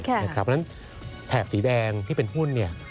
เพราะฉะนั้นแถบสีแดงที่เป็นหุ้น